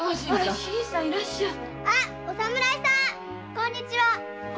こんにちは。